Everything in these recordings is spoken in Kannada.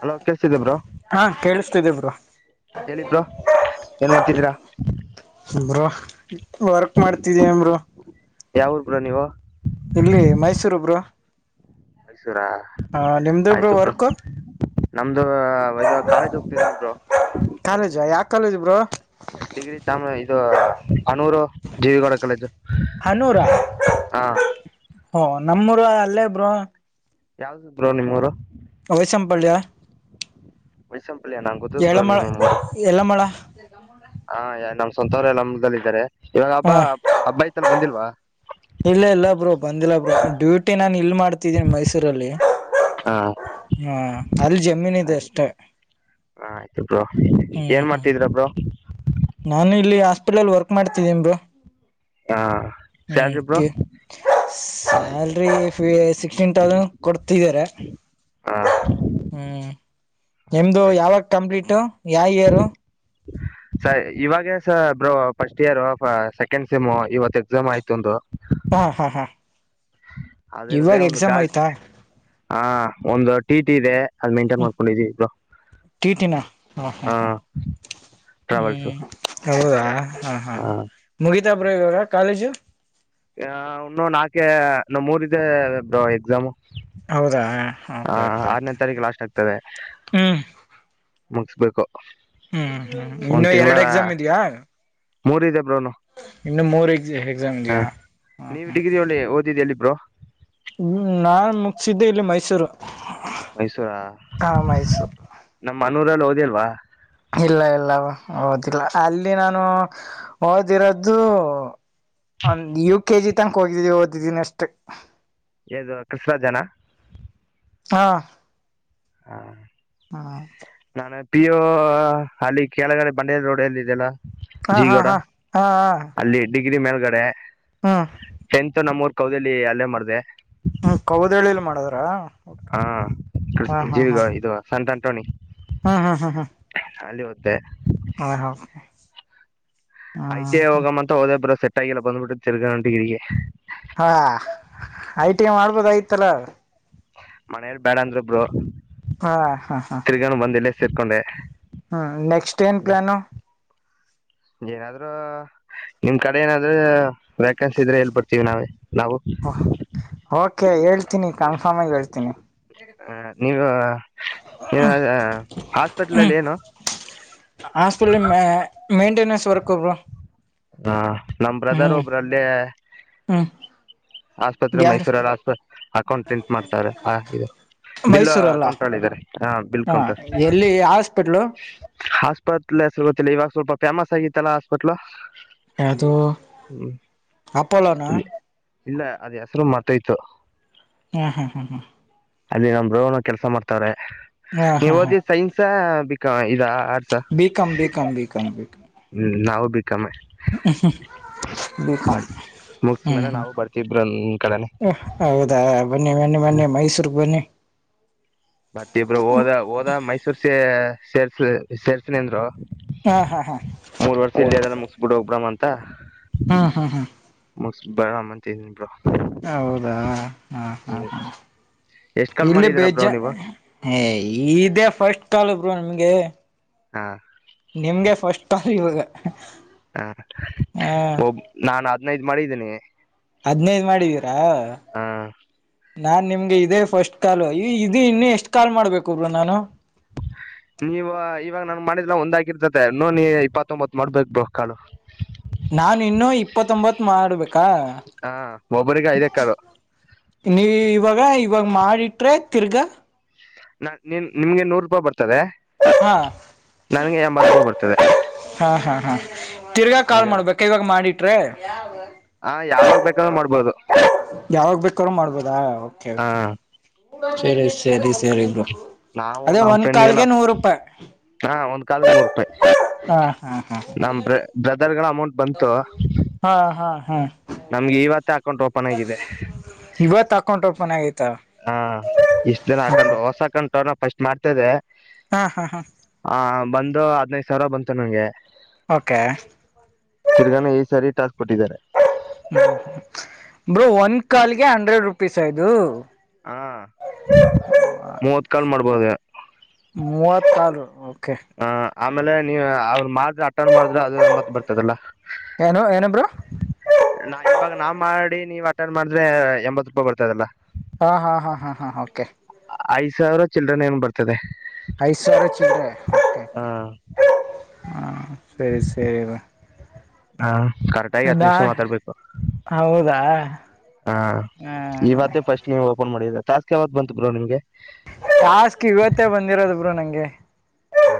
ಹಲೋ ಕಳ್ಸಿದ್ದೇಬರು ಹಾ ಕೇಳಿಸ್ತಿದೆ ಬ್ರೋ ಹೇಳಿಬ್ ಏನ್ ಮಾಡ್ತಿದ್ದೀರಾ ನಮ್ರ ವರ್ಕ್ ಮಾಡ್ತಿದೀಯಂಬರು ಯಾವಊರ್ ಕೂಡ ನೀವು ಇಲ್ಲಿ ಮೈಸೂರೊಬ್ರು ಮೈಸೂರಾ ಹ ನಿಮ್ದೊಬ್ರು ಆಯ್ತು ಬ್ರೋ ವರ್ಕು ನಮ್ದು ಕಾಳೇಜ್ ಹೋಗ್ತಿದೀನಿಬ್ರು ಕಾಲೇಜ ಯಾಕ ಕಾಲೇಜ ಬ್ರ ಡಿಗ್ರಿ ತಾಮ ಇದು ಅನೂರು ಜೀವಿಗೌಡ ಕಾಲೇಜು ಹನೂರ ಹಾ ಹೊ ನಮ್ಮೂರ ಅಲ್ಲೇಬ್ರು ಯಾವಿದರು ನಿಮ್ಮವರು ಅವ ಸಂಪಡ್ಲ ವೈಸಂಪಲ್ಯ ನ ಎಳಮಳ ನಿ ಸ್ವಂತವರ ಎಲ್ಲ ಹದಲ್ಲಿ ಇದಾರೆ ಇವಾಗ ಹಬ್ಬ ಹಾ ಹಬ್ಬ ಐತಲ್ಲ ಬಂದಿಲ್ವಾ ಇಲ್ಲ ಇಲ್ಲಾಬ್ರರು ಬಂದಿಲ್ಲಬ್ರರು ಡ್ಯೂಟಿ ನಾನನ್ ಇಲ್ ಮಾಡ್ತಿದ್ದೀನಿ ಮೈಸೂರಲ್ಲಿ ಹಾ ಹಾ ಅಲ್ಲಿ ಜಮೀನ್ ಇದೆ ಅಷ್ಟೇ ಹ ಆಯ್ತು ಬ್ರೋ ಹ್ಮ್ ಏನ್ ಹ್ಮ್ ಮಾಡ್ತಿದ್ರ ಬ್ರೋ ನಾನು ಇಲ್ಲಿ ಹಾಸ್ಪಿಟಲ್ಲ್ ವರ್ಕ್ ಮಾಡ್ತಿದ್ದಿಮರು ಹಾ ಸ್ಯಾಲ್ರಿ ಬ್ರೋ ಹ ಸಲ್ರಿ ಸಿಕ್ಸ್ಟೀನ್ ತೌಸಂಡ್ ಕೊಡ್ತಿದ್ದಾರೆ ಹಾ ಹ್ಮ್ ನಿಮ್ದು ಆಯ್ತು ಆಯ್ತು ಯಾವಾಗ ಕಂಪ್ಲೀಟ್ ಯಾವ ಇಯರು ಸ ಇವಾಗೇ ಸ ಬಬ್ ಫಸ್ಟ್ ಇಯರ್ ಸೆಕೆಂಡ್ ಸೆಮು ಇವತ್ ಎಕ್ಸಾಮ್ ಆಯ್ತು ಒಂದು ಹಾ ಹಾ ಹಾ ಅದನದೆ ಇವಾಗ ಒಂದು ಎಕ್ಸಾಮ್ ಗಾಡಿ ಆಯ್ತಾ ಹ ಒಂದು ಟಿ ಟಿ ಇದೆ ಅದು ಮೇಂಟೈನ್ ಹ್ಮ ಮಾಡ್ಕೊಂಡಿದೀ ಇಬ್ ಹಾ ಟ್ರಾವೆಲ್ಸ್ ಹ್ಮ್ ಹೌದಾ ಹಾ ಹಾ ಹಾ ಮುಗಿತಾಬ್ರ ಇವರ ಕಾಲೇಜು ಇನ್ನು ನಾಕೆ ಇ ಮೂರ್ದೆ ಬ್ರೋ ಎಕ್ಸಾಮ್ ಹೌದಾ ಹಾ ಓಕೆ ಆರನೇ ಓಕೆ ತಾರೀಕು ಲಾಸ್ಟ್ ಆಗ್ತದೆ ಹ್ಮ್ ಮುಗಿಸ್ಬೇಕು ಹ್ಮ್ ಹ್ಮ್ ಒಂದು ಇನ್ನುೂ ಎರಡು ತಿಂಗಳ ಎಕ್ಸಾಮ್ ಇದ್ಯಾ ಮೂರಿದೆ ಬ್ರೋನು ಇನ್ನು ಮೂರ್ ಎ ಎಕ್ಸಾಮ್ ಇದಾ ಹ ಹ್ಮ್ ನೀವು ಹ್ಮ ಡಿಗ್ರಿ ಒಳ್ಳಿ ಓದಿದ್ದು ಎಲ್ಲಿ ಬ್ರೋ ಹ್ಮ ನಾನ್ ಮುಗಿಸಿದ್ದೆ ಇಲ್ಲಿ ಮೈಸೂರು ಮೈಸೂರಾ ಹಾ ಮೈಸೂರು ನಮ್ಮನೂರಲ್ಲಿ ಹೋದಿಲ್ವಾ ಇಲ್ಲ ಇಲ್ಲ ಓದಿಲ್ಲ ಅಲ್ಲಿ ನಾನು ಓದಿರೋದು ಒಂದ್ ಯವು ಕೆ ಜಿ ತನಕ ಹೋಗಿದ್ದಿದವಿ ಓದಿದ್ದೀನ ಅಷ್ಟ ಇದು ಕೃಷ್ಣ ಜನ ಹಾ ಹಾ ಹ್ಮ್ ನಾನೆ ಪಿಯೋ ಅಲ್ಲಿ ಕೆಳಗಡೆ ಬಂಡೇದ ರೋಡಲ್ಲಿ ಇದದೆಲ್ಲ ಹಾ ಹಾ ಜೀಗೌಡ ಹಾ ಅಲ್ಲಿ ಡಿಗ್ರಿ ಮೇಲ್ಗಡೆ ಹಾ ಅಂತ ನಮ್ಮೂಊರ್ ಕೌದಲ್ಲಿ ಅಲ್ಲೇ ಮಾಡಿದೆ ಹ್ಮ ಕೌದಳ್ಳಿಲಿ ಮಾಡದ್ರ ಹಾ ಹಾ ಹಾ ಹಾ ಜೀವಿಗ ಇದು ಸಂಂತ ಆಂಟೋನಿ ಹ್ಮ್ ಹ್ಮ್ ಹ್ಮ್ ಹ್ಮ ಅಖಾಲಿ ಹದ್ದೆ ಹ ಹ ಆಯ್ತ ಹೋಗಮ್ಮ ಅಂತ ಹೋದೇಬ್ರ ಸೆಟ್ ಆಗಿಲ್ಲ ಬಂದ್ಬಿಟ್ಟೆ ತಿರ್ಗ ನಟಗಿರಿಗೆ ಹಾ ಐಟಿ ಮಾಡ್ಬೋದಯತಲ್ಲ ಮನೇೆಯಲ್ಲಿ ಬ್ಯಾಡ ಅಂದ್ರೊ ಬ್ರೋ ಹಾ ಹಾ ಹಾ ಹಾ ಸರ್ಕೊಂಡೆ ಹ್ಮ್ ನೆಕ್ಸ್ಟ್ ಏನ್ ಪ್ಲಾನು ಏನಾದ್ ನಿಮ್ ಕಡೆ ಏನಾದ್ರೂ ವ್ಯಾಕೆನ್ಸಿ ಇದ್ರೆ ಎಲ್ಲಿ ಬಡ್ತೀವಿ ನಾವೇ ನಾವು [unintelligible] ಆಗ ಹೇತೀನಿ ಹ ನೀವು ಹಾಸ್ಪಿಟಲ್ಲ್ಲಿ ಹ್ಮ್ ಏನು ಹಾಸ್ಪಿಟಲ್ ಮೇಂಟೆನೆನ್ಸ್ ವರ್ಕ್ ಬ್ರೋ ಹಾ ನಮ ಬ್ರದರ್ ಒಬ್ರಲ್ಲೇ ಹ್ಮ್ ಆಸ್ಪತ್ರೆ ಯಾರು ಮೈಸೂರಲ್ಲಿ ಆಸ್ಪತ್ ಅಕೌಂಟೆಂಟ್ ಮಾಡ್ತಾರೆ ಹ ಇದು ಬಿಲ್ ಮೈಸೂರಲ್ಲ ಕೌಂಟರ್ಲ್ಲಿ ಇದಾರೆ ಹಾ ಬಿಲ್ ಹ ಕೌಂಟರ್ ಎಲ್ಲಿ ಹಾಸ್ಪಿಟ್ಲು ಆಸ್ಪತ್ಲ್ ಹೆಸರು ಗೊತ್ತಿಲ್ಲ ಇವಾಗ ಸ್ವಲ್ಪ ಫೇಮಸ್ ಆಗಿತ್ತಲ್ಲಾ ಹಾಸ್ಪತ್ಲ್ ಅದು ಅಪ್ಪೋಲೋನಾ ಇಲ್ಲ ಅದ್ ಹೆಸರು ಮತ್ತೊಯ್ತು ಹ್ಮ್ ಹ್ಮ್ ಹ್ಮ್ ಹ್ಮ ಅಲ್ಲಿ ನಮ್ಮ ಬ್ರೋ ಕೆಲ್ಸ ಮಾಡ್ತವ್ರೆ ಹಾ ಹಾ ನೀವ್ ಹಾ ಓದಿ ಸೈನ್ಸ್ ಬಿಕಾ ಆರ್ಸ ಬಿಕಾಂ ಹ್ಮ ಬಿಕಾಂ ನಾವು ಬಿಕಮ್ಮ ಹ್ಮ ಹ್ಮ ಬಿ ಮುಗಸ್ ಮೇಲೆ ಹ್ಮ ನಾವು ಬರ್ತಿಬ್ರು ನಮ್ ಕಡೆನೆ ಹ ಹೌದಾ ಬನ್ನಿ ಬನ್ನಿ ಮೈಸೂರ್ ಬನ್ನಿ ಮತಿ ಇಬ್ರು ಹೋದ ಹೋದ ಮೈಸೂರ್ಸ ಸೇರ್ಸ್ ಸೇರ್ಸನ ಅಂದ್ರು ಹಾ ಹಾ ಹಾ ಮೂರ್ ವರ್ಷ ಇಲ್ಲ ಅದಲ್ಲ ಮುಗಿಸಬಿಡು ಹೋಗ್ ಬಿಡೋಣ ಅಂತ ಹ್ಮ್ ಹ್ಮ್ ಹ್ಮ್ ಬರಾಮ್ ಅಂತ ಇದ್ದೀನಿಬ್ರೋ ಹೌದಾ ಹಾ ಹಾ ಹಾ ಎಷ್ಟ್ ಕಾಲ್ ಇಲ್ಲಿ ಮಾಡಿದೀರಾ ಬ್ರೋ ಬೇಜಜ ನೀವು ಏ ಇದೇ ಫಸ್ಟ್ ಕಾಲ್ ಬ್ರೋ ನಿಮ್ಗೆ ಹಾ ನಿಮ್ಗೆ ಫಸ್ಟ್ ಕಾಲ್ ಇವಾಗ ಹ ಹ ಒ ನಾನು ಹದ್ನೈದ ಮಾಡಿದ್ದೀನಿ ಹದ್ನೈದ ಮಾಡಿದೀರಾ ಹ ನಾನ್ ನಿಮ್ಗೆ ಇದದೆ ಫಸ್ಟ್ ಕಾಲ್ ಈ ಇದು ಇನ್ನು ಎಷ್ಟ್ ಕಾಲ್ ಮಾಡ್ಬೇಕ ಒಬರು ನಾನು ನೀವ ಇವಾಗ ನನ್ ಮಾಡಿದಲ ಒಂದ್ಕಿರ್ತತೆ ನೋ ನೀ ಇಪ್ಪತ್ತೊಂಬತ್ ಮಾಡ್ಬೇಕಕ್ ರೊಕ್ಕ ನಾನು ಇನ್ನುೂ ಇಪ್ಪತ್ತೊಂಬತ್ ಮಾಡಬೇಕಾ ಹ ಒಬ್ಬರಿಗೆ ಐದೇ ಕಾಲು ನೀ ಇವಾಗ ಇವಾಗ ಮಾಡಿಟ್ರೆ ತಿರ್ಗಾ ನಿಮ್ಗೆ ನೂರು ರೂಪಾಯಿ ಬರ್ತದೆ ಹಾ ನನ್ಗೆ ಎಂಬತ್ತುೂಪ ಬರ್ತದೆ ಹಾ ಹಾ ಹಾ ತಿರ್ಗಾ ಕಾಲ್ ಮಾಡ್ಬೇಕ ಇವಾಗ ಮಾಡಿಟ್ರೆ ಹಾ ಯಾವಾಗ ಬೇಕಾದ್ರೂ ಮಾಡಡ್ಬೋದು ಹ ಸರಿ ಸರಿ ಸರಿ ಬೋ ನಾವು ಅದೇ ಒಂದ್ ಕಾಲ್ಗೆ ನೂರುೂಯಿ ಹ ಒಂದು ಕಾಲಕ್ಕೆ ನೂರು ರೂಪಾಯಿ ಹಾ ಹಾ ಹಾ ನಮ್ಮ ಬ್ರಾದರ್ ಅಮೌಂಟ್ ಬಂತ ಹಾ ಹಾ ನಮ್ಗೆ ಇವತ್ತ ಹಾಕೊಂಡು ಹ ಇವತ್ತು ಹಾಕೊಂಡಂಟ ಮನೆ ಹಾ ಇಷ್ಟ್ ದಿನ ಹಾಕೊಂಡರು ಹೊಸ ಹಾಕ ಅವನ ಫಸ್ಟ್ ಮಾಡ್ತದೆ ಹಾ ಹಾ ಹಾ ಬಂದು ಹದ್ನೈದು ಸಾವಿರ ಬಂತ ನಂಗೆ ಓಕೆ ತಿರ್ಗಾನ ಈ ಸರಿ ಟಾಸ್ ಕೊಟ್ಟಿದ್ದಾರೆ ಹ ಬ್ರೋ ಒಂದ ಕಲ್ಗೆ ಹಂಡ್ರೆಡ್ ರುಪೀಸ್ ಆ ಇದು ಹಾ ಮೂ [unintelligible] ಕಾಲ ಹ ಆಮೇಲೆ ನೀವ ಅವ್ರ ಮಾಡಿದ್ರೆ ಅಟನ್ ಮಾಡಿದ್ರೆ ಅದು ಮತ್ ಎಂಬತ್ತು ಬರ್ತದಲ್ಲ ಏನು ಏನು ಬ್ರೋ ನಾವ್ ಮಾಡಿ ನೀವ್ ಅಟೆಂಡ್ ಮಾಡಿದ್ರೆ ಎಂಬತ್ ರೂಪಾಯಿ ಬರ್ತದಲ್ಲ ಹಾ ಹಾ ಹಾ ಹಾ ಹಾ ಓಕೆ ಐದ ಸಾವಿರ ಚಿಲ್ಲರೆ ಏನೋ ಬರ್ತದೆ ಐದು ಸಾವಿರ ಚಿಲ್ಲರೆ ಹಾ ಸರಿ ಸರಿ ಬ್ರೋ ಹಾ ಕರೆಕ್ಟಾಗಿ ಹತ್ ನಾ ನಿಮಿಷ ಮಾತಾಡ್ಬೇಕು ಹೌದಾ ಹಾ ಹಾ ಈವತ್ತ ಫಸ್ಟ್ ನೀವು ಓಪನ್ ಮಾಡಿದ್ರ ಟಾಸ್ಕ್ ಯಾವಗ ಬಂತು ಬ್ರೋ ನಿಮ್ಗೆ ಟಾಸ್ಕ್ ಇವತ್ತೇ ಬಂದಿರೋದೂ ಬ್ರೋ ನಂಗೆ ಹಾ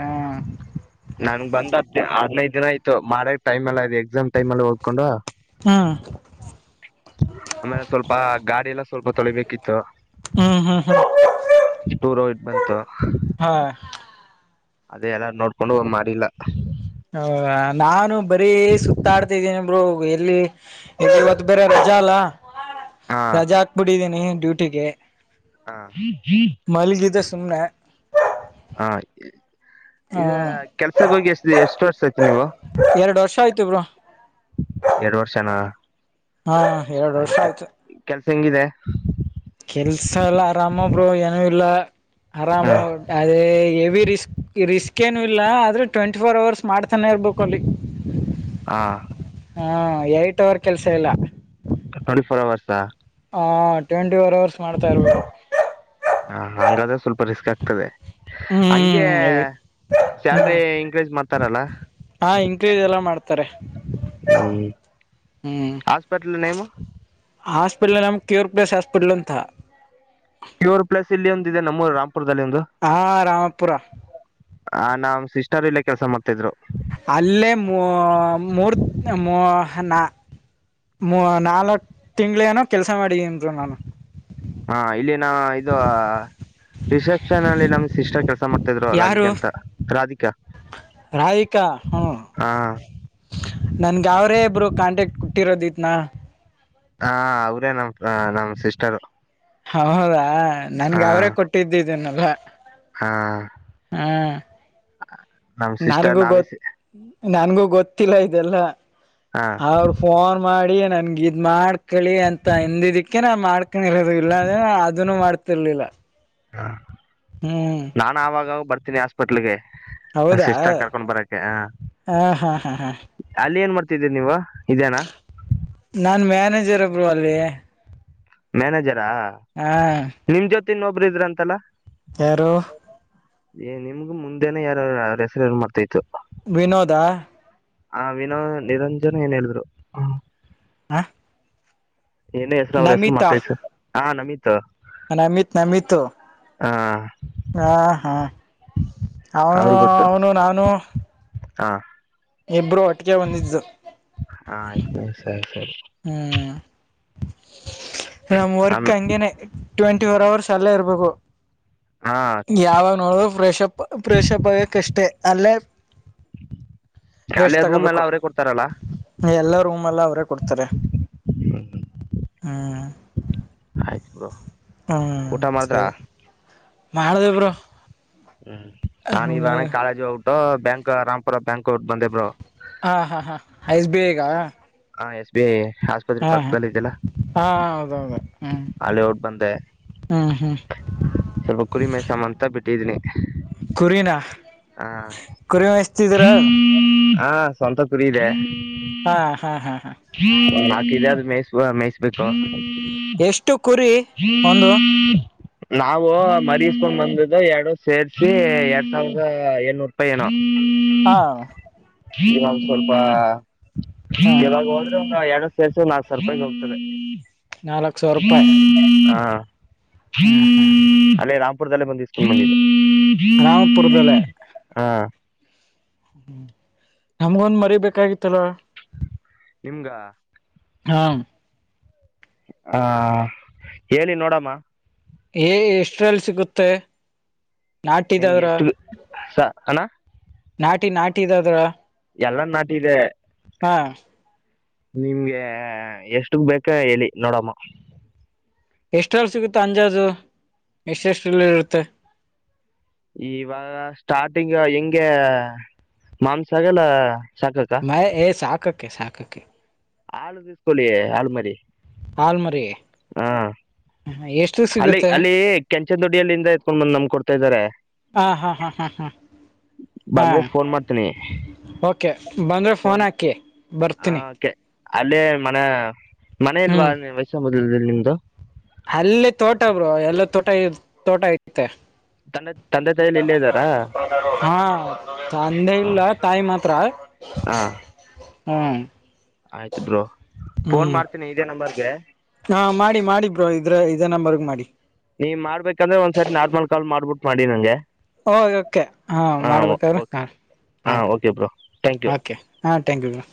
ಹ್ಮ್ ನಂಗೆ ಬಂದ ಹದಿನೈದು ದಿನ ಆಯತು ಮಾಡಕ್ ಟೈಮ್ ಅಲ್ಲ ಅ ಎಕ್ಸಾಮ್ ಟೈಮ್ ಅಲ್ಲಿ ಓದಿಕೊಂಡು ಹಾ ಆಮೇಲೆ ಸ್ವಲ್ಪ ಗಾಡಿ ಎಲ್ಲ ಸ್ವಲ್ಪ ತೊಳಿಬೇಕಿತ್ತು ಹ್ಮ್ ಹ್ಮ್ ಟೂರ್ ಇಟ್ ಬಂತು ಹಾ ಅದೇ ಎಲ್ಲ ನೋಡ್ಕೊಂಡು ಮಾಡಿಲ್ಲ ಹ ನಾನು ಬರೀ ಸುತ್ತಾಡ್ತಿದ್ದೀನಿ ಎಲ್ಲಿ ಇವತ್ತು ಬೇರೆ ರಜಾ ಅಲ್ಲ ಹಾ ರಜಾ ಹಾಕ್ಬಿಟಿದ್ದೀನಿ ನೀ ಡ್ಯೂಟಿಗೆ ಹಾ ಮಲಗಿದ್ದೆ ಸುಮ್ಮನೆ ಹಾ ಹ ಇದ ಕೆಲ್ಸಕ್ಕ ಹೋಗಿ ಎಷ್ಟ ಎಷ್ಟು ವರ್ಷ ಆಯ್ತ್ ನೀವು ಎರಡು ವರ್ಷ ಆಯ್ತ ಬ್ರೋ ಎರಡ್ ವರ್ಷನ ಹಾ ಎರಡು ವರ್ಷ ಆಯ್ತಾಯ್ತು ಆಯ್ತು ಕೆಲ್ಸ ಹೆಂಗಿದೆ ಕೆಲ್ಸ ಎಲ್ಲ ಆರಾಮು ಬ್ರೋ ಏನೂ ಇಲ್ಲ ಆರಾಮ ಹ ಅದೇ ಎವಿ ರಿಸ್ಕ್ ರಿಸ್ಕ್ ಏನು ಇಲ್ಲ ಆದ್ರೆ ಟ್ವೆಂಟಿ ಫೋರ್ ಅವರ್ಸ್ ಮಾಡ್ತಾನೆ ಇರ್ಬೇಕು ಅಲ್ಲಿ ಹ ಹಾಂ ಏಟ್ ಅವರ್ ಕೆಲ್ಸ ಎಲ್ಲ ಟ್ವೆಂಟಿ ಫೋರ್ ಅವರ್ಸ್ ಹ ಹ ಟ್ವೆಂಟಿ ಫೋರ್ ಅವರ್ಸ್ ಮಾಡ್ತಾ ಇರ್ಬೋದು ಹ ಹಂಗಾದ್ರೆ ಸ್ವಲ್ಪ ರಿಸ್ಕ್ ಆಗ್ತದೆ ಹಂಗೆ ಹ್ಮ್ ಹೆವಿ ಸ್ಯಲ್ರಿ ಇನ್ಕ್ರೀಸ್ ಮಾಡ್ತಾರಲ್ಲ ಹ ಇನ್ಕ್ರೀಸ್ ಎಲ್ಲ ಮಾಡ್ತಾರೆ ಹ್ಮ್ ಹ್ಮ್ ಹಾಸ್ಪಿಟ್ಲ್ ನೇಮು ಇಲ್ಲ ನಮ್ಮ ಕ್ಯೂರ್ ಪ್ಲಸ್ ಹಾಸ್ಪಿಟಲ್ ಅಂತ ಕ್ಯೂರ್ ಪ್ಲಸ್ ಇಲ್ಲಿ ಒಂದಿದೆ ನಮ್ಮೂರು ರಾಮ್ ಹಾ ರಾಮಪುರ ಆ ನಮ್ ಸಿಸ್ಟರ್ ಇಲ್ಲ ಕೆಲ್ಸ ಮಾಡ್ತಿದ್ರು ಅಲ್ಲೇ ಮು ಮೂರು ಮೂ ನ ಮೂ ನಾಲ್ಕ್ ತಿಂಗಳೇನೋ ಕೆಲ್ಸ ಮಾಡಿದೀನಿ ಬ್ರೋ ನಾನು ಹಾ ಇಲ್ಲಿ ನಾ ಇದು ರಿಸೆಪ್ಷನ್ ಅಲ್ಲಿ ನಮ್ ಸಿಸ್ಟರ್ ಕೆಲ್ಸ ಮಾಡ್ತಾ ಇದ್ರು ರಾಧಿಕ ಯಾರು ಅಂತ ರಾಧಿಕ ರಾಧಿಕಾ ಹ್ಮ ಹಾ ನನ್ಗ ಅವ್ರೇ ಇಬ್ರು ಕಾಂಟ್ಯಾಕ್ಟ್ ಕೊಟ್ಟಿರೋದೂ ಇದ್ನ ಹಾ ಅವ್ರೇ ನಮ್ ನಮ್ ಸಿಸ್ಟರು ಹೌದಾ ನನ್ಗ ಹಾ ಅವ್ರೇ ಕೊಟ್ಟಿದ್ದಿದ್ದೀನಲ್ಲ ಹಾ ನಮ್ ಸಿಸ್ಟರ್ ನಾನಗು ನಾವೇ ಗೊತ್ತ ನನ್ಗೂ ಗೊತ್ತಿಲ್ಲ ಇದೆಲ್ಲ ಹಾ ಅವರು ಫೋನ್ ಮಾಡಿ ನನ್ಗ ಇದ್ ಮಾಡ್ ಕಳಿ ಅಂತ ಹಿಂದಿದಿಕ್ಕೆ ನಾ ಮಾಡ್ಕೊಂಡಿರೋದು ಇಲ್ಲಾಂದ್ರೆ ಅದನ್ನು ಮಾಡ್ತಿರ್ಲಿಲ್ಲ ಹ ಹ್ಮ್ ನಾನ ಆಾಗಾಗ ಬರ್ತೀನಿ ಹಾಸ್ಪಿಟ್ಲ್ಗೆ ಹೌದಾ ಷ್ಟಂಗ ಕರ್ಕೊಂಡ್ ಬರಕ್ಕೆೆ ಹ ಹ ಹಾ ಹಾ ಹಾ ಅಲ್ಲಿ ಏನ್ ಮಾಡ್ತಿದ್ದೀರಿ ನೀವು ಇದೇನಾ ನಾನ್ ಮ್ಯಾನೇಜರ್ ಒಬ್ರು ಅಲ್ ಮ್ಯಾನೇಜರಾ ನಿಮ ಜೊತೆ ಇನ್ನೊಬರು ಇದ್ರಂತಲ್ಲ ಯಾರೋ ನಿಮ್ಗು ಮುಂದೆನ ಯಾರಾರ ಹೆಸರು ಯಾರು ಮಾಡ್ತ ಇತತ್ತು ವಿನೋದಾ ಆ ವಿನೋ ನಿರಂಜನ್ ಏನ್ ಹೇಳಿದ್ರು ಹ ಏನೇ ಹೆಸರು ಅವ್ರ ಹೆಸರು ಮಾಡ್ತಾಸ ಹಾ ನಮ ನಮತ್ ನಮಿತ ಹಾ ಹಾ ಹಾ ಅವನು ಅವ್ರಿಗೆ ಗೊತ್ತು ಅವನು ನಾನು ಹಾ ಇಬ್ರು ಒಟ್ಟಿಗೆ ಹೊಂದಿದ್ದು ಹಾ ಆಯ್ತು ಸರಿ ಸರಿ ಹ್ಮ್ ರ್ಕ ಆಮೇ ಎಂಗನ ಟ್ವೆಂಟಿ ಫೋರ್ ಅವರ್ಸ್ ಅಲ್ಲೇ ಇರಬೇಕು ಹಾ ಯಾವಾಗ ನೋಡ ಫ್ರಷಪ್ ಫ್ರಷಪ್ ಆಗಕ್ಷ್ಟೇ ಅಲ್ಲೇ ಅಲ್ಲೇ ರೇಷ್ಟ್ ರೂಮ್ ಎಲ್ಲ ತಗೋಬೇಕು ಅವರೇ ಕೊಡ್ತಾರಲ್ಲ ಎಲ್ಲೂ ಲ್ಲ ಅವರೇ ಕೊಡ್ತಾರೆ ಹ್ಮ್ ಆಯ್ತು ಬ್ರೋ ಹ್ಮ್ ಊಟ ಮಾಡಿದ್ರ ಸರಿ ಮಹಳದೇವರು ಹ್ಮ್ ನಾನ ಇವಾಗ ಕಾಲೇಜ್ ಟ್ಟು ಬ್ಯಾಂಕ್ ರಾಮಪುರ ಬ್ಯಾಂಕ್ ಟ್ಟು ಬಂದೆಬರು ಹಾ ಹಾ ಹಾ ಐಸ್ಬ ಈಗ ಹಾ ಎಸ್ ಬಿ ಐ ಆಸ್ಪತ್ರೆ ಪಕ್ಕದದಲ್ಲಿ ಇದದೆಲ್ಲ ಹೌದೌದು ಹ್ಮ್ ಹಲ್ಲಿ ಔಟ್ ಬಂದೆ ಹ್ಮ್ ಹ್ಮ್ ಸ್ವಲ್ಪ ಕುರಿಮೆಸಮ ಅಂತ ಬಿಟ್ಟ ಇದದನ ಕೊರಿನಾ ಹಾ ಹಾ ಸ್ವಂತ ಕುರಿ ಇದೆ ಹಾ ಹಾ ಹಾ ಹಾ ನಾಕ ಇಲ್ ಆದ್ರೆ ಮೇಯ್ ಮೇಯ್ಿಸಬೇಕು ಎಷ್ಟು ಕುರಿ ಒಂದು ನಾವು ಮರಸ್ಕೊಂಡ್ ಬಂದ್ದು ಎರಡು ಸೇರ್ಸಿ ಎರಡ್ ಸಾವಿರದ ಎಏನೂರು ರೂಪಾಯಿ ಏನ ಹಾ ಸ್ವಲ್ಪ ಹ ಎರಡು ಸೇಸ ನಾಲ್ರ್ಪಾಯಗೆ ಹೋಗ್ತದೆ ನಾಲ್ಕ್ ಸಾವ ರೂಪಾಯಿ ಹಾ ಹ್ಮ್ ಹ್ಮ್ ಅಲ್ಲೇ ರಾಮಂಪುರದಲ್ಲೇ ಬಂದ ಸ್ಕೂಲ್ ಮಂದ ರಾಮಪುರದಲ್ಲೇ ಹಾ ಹ್ಮ ನಮಗೊಂದ್ ಮರಿ ಬೇಕಾಗಿತ್ತಲ್ಲ ನಿಮಗ ಹಾ ಹಾ ಹೇಳಿ ನೋಡಮ್ಮ ಏ ಎಷ್ಟ್ರಲ್ಲಿ ಸಿಗುತ್ತೆ ನಾಟ ನಿಮ್ಗೆ ಇದಾವ್ರ ಎಷ್ಟು ಸ ಅಣ್ಣ ನಾಟಿ ನಾಟಿ ಇದದ್ರ ಎಲ್ಲಾ ನಾಟಿದೆ ನಿಮ್ಗೆ ಎಷ್ಟಗ್ ಬೇಕೊ ಹೇಳಿ ನೋಡಮ್ಮ ಎಷ್ಟಲ್ಲಿ ಸಿಗುತ್ತೆ ಅಂದಾಜು ಎಷ್ಟೇಷ್ಟಲ್ಲಿ ಇರುತ್ತೆ. ಇವಾಗ ಸ್ಟಾರ್ಟಿಂಗ್ ಹೆಂಗೆ ಮಾಂಸಾಗಲ್ಲ ಸಾಕಕ್ಕ ಮ ಸಾಕಕ್ಕೆ ಸಾಕಕ್ಕೆ ಆಳ್ ಕೂಳ್ಳಿ ಆಳ್ ಮರಿ ಹಾಲ್ ಮರಿ ಹಾ ಅಲ್ಲಿ ಅಲ್ಲಿ ಕೆಂಚನ್ ದೊಡ್ಡಿಯಲ್ಲಿ ಇಂದ ಎತ್ಕೊಂಡ್ ಬಂದ್ ನಮಗೆ ಕೊಡ್ತಾ ಇದ್ದಾರೆ. ಹಾ ಹಾ ಹಾ ಹಾ ಹಾ ಹಾ ಬಂದ್ರೆ ಪೋನ್ ಮಾಡ್ತೀನಿ. ಓಕೆ ಬಂದರೆ ಫೋನ್ ಪೋನ್ ಹಾಕಿ ಆ ಬರ್ತೀನಿ ಅಲ್ಲೇ ಮನ ಮನೆ ಇಲ್ವಾ ವಯಸ ಮೊದಲ್ ದಲ್ಲಿ ನಿಮ್ದು ಅಲ್ಲೆ ತೋಟ ಬ್ರೋ ಎಲ್ಲಾ ತೋಟ ತೋಟ ಐತೆ ತಂದೆ ತಂದೆ ತಾಯಿಲಿ ಇಲ್ಲೇ ಇದ್ದಾರಾ ಹಾ ತಂದೆ ಇಲ್ಲ ತಾಯಿ ಮಾತ್ರ ಹಾ ಹಾ ಆಯ್ತು ಬ್ರೋ ಫೋನ್ ಹ್ಮ್ ಮಾಡ್ತೀನಿ ಇದೇ ನಂಬರ್ಗೆ ಹಾ ಮಾಡಿ ಮಾಡಿ ಬ್ರೋ ಇದ್ರೆ ಇದೇ ನಂಬರಗೆ ಮಾಡಿ. ನೀನ್ ಮಾಡ್ಬೇಕಂದ್ರೆ ಒಂದ್ಸರಿ ನಾರ್ಮಲ್ ಕಾಲ್ ಮಾಡ್ಬಿಟು ಮಾಡಿ ನನಗೆ ಹೋ ಓಕೆ ಹಾ ಹಾಂ ಮಾಡ್ಬೇಕಾದ್ರೆ ಓಕೆ ಕಾಲ್ ಹಾಂ okay bro thank you okay ಹಾ ಥಾಂಕ್ ಯು ಬ್ರೋ